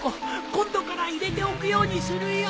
今度から入れておくようにするよ。